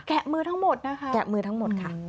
ะมือทั้งหมดนะคะแกะมือทั้งหมดค่ะ